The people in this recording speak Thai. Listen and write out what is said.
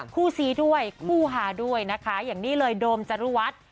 คู่ซีด้วยคู่หาด้วยนะคะอย่างนี้เลยโดมจรุวัฒน์